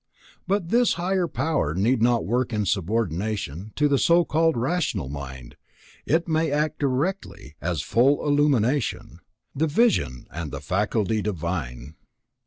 But this higher power need not work in subordination to the so called rational mind, it may act directly, as full illumination, "the vision and the faculty divine."